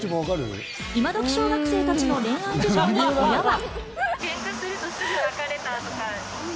イマドキ小学生の恋愛事情に親は。